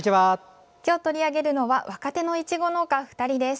今日取り上げるのは若手のいちご農家２人です。